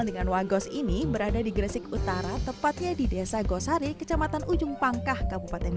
dengan wagos ini berada di gresik utara tepatnya di desa gosari kecamatan ujung pangkah kabupaten